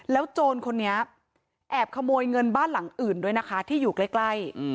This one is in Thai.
โจรคนนี้แอบขโมยเงินบ้านหลังอื่นด้วยนะคะที่อยู่ใกล้